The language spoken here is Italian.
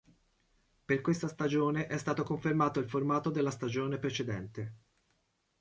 Per questa stagione è stato confermato il formato della stagione precedente.